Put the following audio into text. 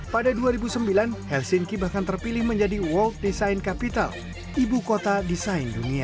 pada dua ribu sembilan helsinki bahkan terpilih menjadi world design capital ibu kota desain dunia